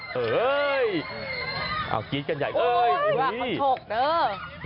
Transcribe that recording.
เฮ้ยเอากรี๊ดกันใหญ่เท่าไหร่